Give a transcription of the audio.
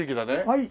はい。